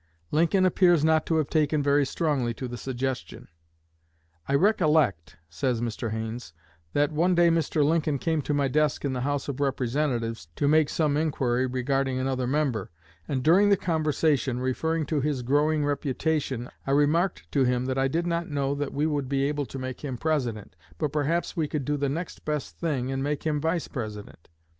Lincoln appears not to have taken very strongly to the suggestion. "I recollect," says Mr. Haines, "that one day Mr. Lincoln came to my desk in the House of Representatives, to make some inquiry regarding another member; and during the conversation, referring to his growing reputation, I remarked to him that I did not know that we would be able to make him President, but perhaps we could do the next best thing, and make him Vice President.